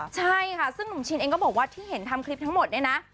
ใช่ค่ะซึ่งหนุ่มชินเองก็บอกว่าที่เห็นทำคลิปทั้งหมดเนี่ยนะ